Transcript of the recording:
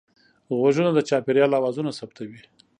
غوږونه د چاپېریال اوازونه ثبتوي